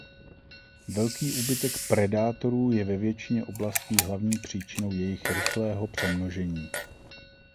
Velký úbytek predátorů je ve většině oblastí hlavní příčinou jejich rychlého přemnožení.